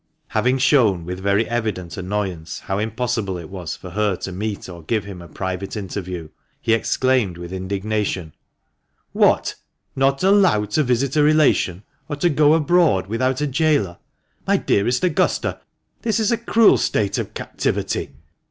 Having shown with very evident annoyance, how impossible it was for her to meet or give him a private interview, he exclaimed with indignation —" What ! not allowed to visit a relation, or to go abroad without a gaoler ! My dearest Augusta, this is a cruel state of captivity.